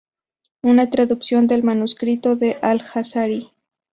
Una traducción del manuscrito de Al-Jazari.